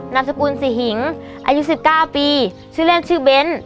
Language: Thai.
นามสกุลศรีหิงอายุ๑๙ปีชื่อเล่นชื่อเบ้น